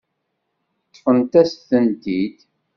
Ṭṭfemt-as-tent-id.